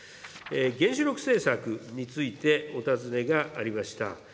原子力政策についてお尋ねがありました。